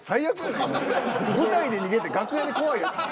舞台で逃げて楽屋で怖いやつ。